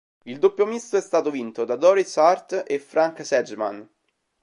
Il doppio misto è stato vinto da Doris Hart e Frank Sedgman.